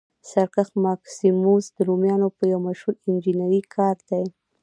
سرکس ماکسیموس د رومیانو یو مشهور انجنیري کار دی.